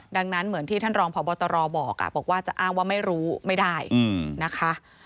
ดังนั้นเหมือนที่ท่านรองพบตรบอกว่าจะอ้างว่าไม่รู้ไม่ได้นะคะ